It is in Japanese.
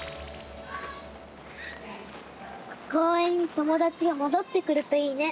公園に友達が戻ってくるといいね。